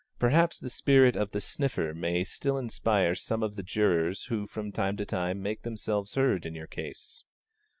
Perhaps the spirit of the sniffer may still inspire some of the jurors who from time to time make themselves heard in your case.